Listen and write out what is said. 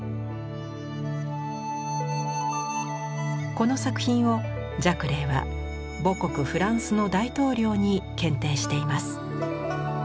この作品をジャクレーは母国フランスの大統領に献呈しています。